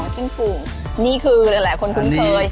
จิ้มปุ่งนี่คืออะไรแหละคนคืนเคย